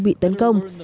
bị tấn công